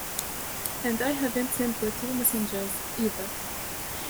And I haven’t sent the two messengers, either.